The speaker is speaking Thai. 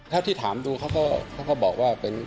เท่าที่ถามดูเขาก็บอกว่าเป็น